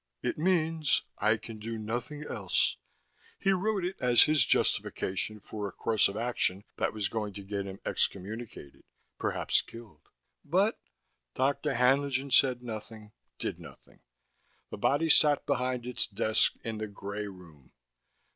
"It means: 'I can do nothing else.' He wrote it as his justification for a course of action that was going to get him excommunicated, perhaps killed." "But " Dr. Haenlingen said nothing, did nothing. The body sat behind its desk in the gray room.